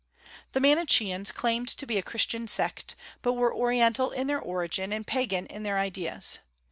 The Manicheans claimed to be a Christian sect, but were Oriental in their origin and Pagan in their ideas.